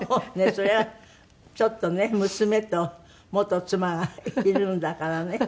そりゃちょっとね娘と元妻がいるんだからね。